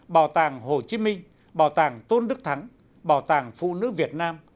bảo tàng hồ chí minh bảo tàng tôn đức thắng bảo tàng phụ nữ việt nam